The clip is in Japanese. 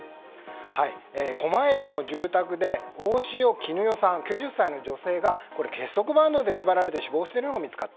狛江市の住宅で大塩衣與さん、９０歳の女性が結束バンドで縛られて死亡しているのが見つかった。